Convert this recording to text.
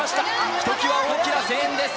ひときわ大きな声援です。